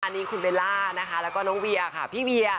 อันนี้คุณเบลล่านะคะแล้วก็น้องเวียค่ะพี่เวีย